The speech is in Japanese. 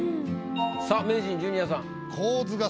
さあ名人ジュニアさん。